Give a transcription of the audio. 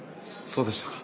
そうでしたか。